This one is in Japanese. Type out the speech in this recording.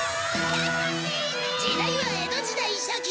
時代は江戸時代初期。